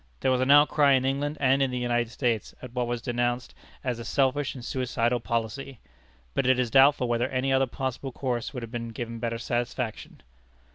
There was an outcry in England and in the United States at what was denounced as a selfish and suicidal policy. But it is doubtful whether any other possible course would have given better satisfaction.